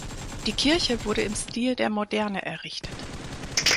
Die Kirche wurde im Stil der Moderne errichtet.